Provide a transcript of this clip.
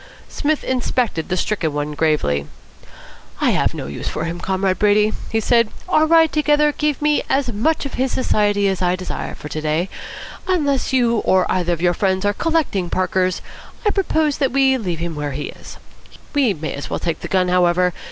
Psmith inspected the stricken one gravely. "I have no use for him, Comrade Brady," he said. "Our ride together gave me as much of his society as I desire for to day. Unless you or either of your friends are collecting Parkers, I propose that we leave him where he is. We may as well take the gun, however.